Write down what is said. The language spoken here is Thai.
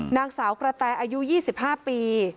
นางสาวกระแตอายุ๒๕ปี